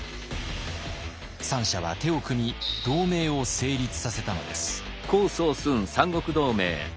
三者は手を組み同盟を成立させたのです。